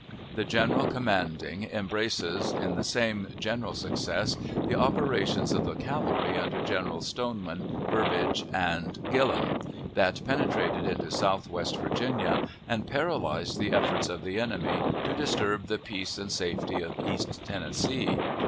The general commanding embraces, in the same general success, the operations of the cavalry under Generals Stoneman, Burbridge, and Gillem, that penetrated into Southwest Virginia, and paralyzed the efforts of the enemy to disturb the peace and safety of East Tennessee.